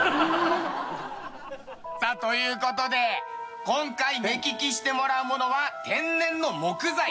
さあという事で今回目利きしてもらうものは天然の木材。